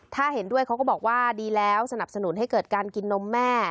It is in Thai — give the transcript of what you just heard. ถ้าเห็นด้วยเขาก็บอกว่าดีแล้วสนับสนุนให้เกิดการกินนมแม่